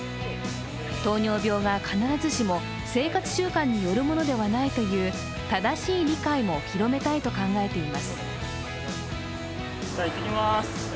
糖尿病が必ずしも生活習慣によるものではないという正しい理解も広めたいと考えています。